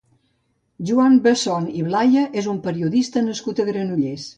Joan Besson i Blaya és un periodista nascut a Granollers.